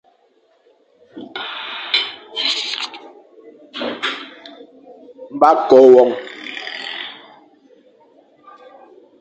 Ba kôa won.